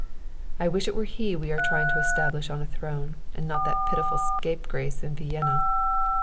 I wish it were he we are trying to establish on a throne, and not that pitiful scapegrace in Vienna."